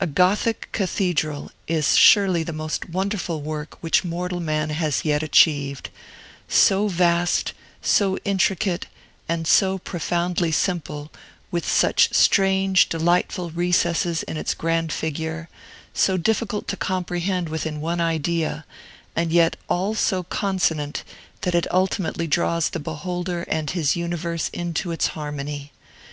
A Gothic cathedral is surely the most wonderful work which mortal man has yet achieved, so vast, so intricate, and so profoundly simple, with such strange, delightful recesses in its grand figure, so difficult to comprehend within one idea, and yet all so consonant that it ultimately draws the beholder and his universe into its harmony.